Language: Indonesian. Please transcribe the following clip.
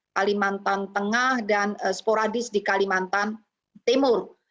kalimantan tengah dan sporadis di kalimantan timur